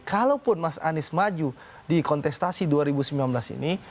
kalaupun mas anies maju di kontestasi dua ribu sembilan belas ini